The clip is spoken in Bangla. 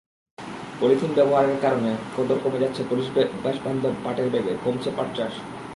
পলিথিন ব্যবহারের কারণে কদর কমে যাচ্ছে পরিবেশবান্ধব পাটের ব্যাগের, কমছে পাটচাষ।